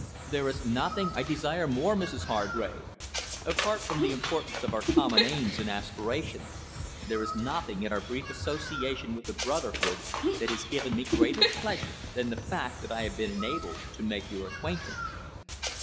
"There is nothing I desire more, Mrs Hargrave. Apart from the importance of our common aims and aspirations, there is nothing in our brief association with the brotherhood that has given me greater pleasure than the fact that I have been enabled to make your acquaintance."